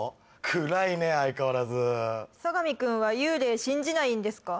暗いね相変わらず相模君は幽霊信じないんですか？